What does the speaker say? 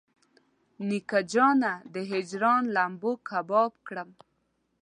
نیکه جانه د هجران لمبو کباب کړم.